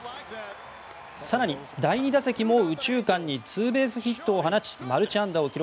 更に、第２打席も右中間にツーベースヒットを放ちマルチ安打を記録。